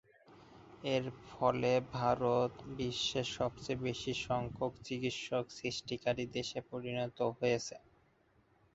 এর ফলে ভারত বিশ্বের সবচেয়ে বেশি সংখ্যক চিকিৎসক সৃষ্টিকারী দেশে পরিণত হয়েছে।